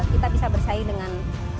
kita bisa bersaing dengan